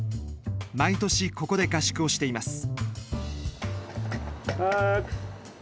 毎年ここで合宿をしています。